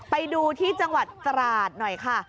ไปดูที่จังหวัดตราดหน่อยค่ะ